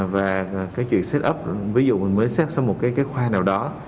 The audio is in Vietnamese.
và cái chuyện set up ví dụ mình mới xếp sang một cái khoa nào đó